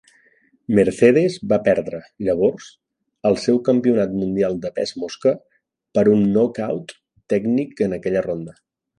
Mercedes va perdre, llavors, el seu campionat mundial de pes mosca per un 'knock-out' tècnic en aquella ronda.